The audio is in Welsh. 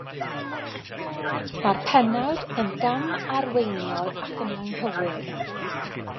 Mae'r pennawd yn gamarweiniol ac yn anghywir.